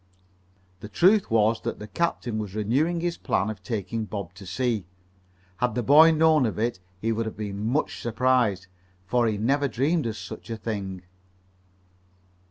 The truth was that the captain was renewing his plan of taking Bob to sea. Had the boy known of it he would have been much surprised, for he never dreamed of such a thing.